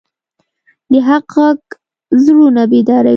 د حق غږ زړونه بیداروي